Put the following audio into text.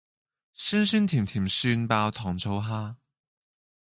酸酸甜甜蒜爆糖醋蝦